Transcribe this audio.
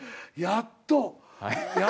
やっと！